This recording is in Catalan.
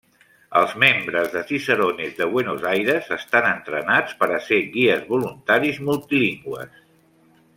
Els membres de Cicerones de Buenos Aires estan entrenats per a ser guies voluntaris multilingües.